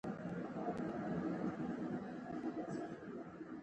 نجونې د خپلو کلیوالو ستونزو په حل کې ونډه اخلي.